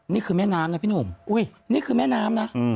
นี่คือแม่น้ำนะพี่หนุ่มนี่คือแม่น้ำนะ